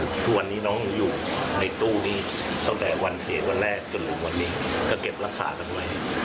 ทุกวันนี้น้องอยู่ในตู้นี้ตั้งแต่วันเสียวันแรกจนถึงวันนี้ก็เก็บรักษากันไว้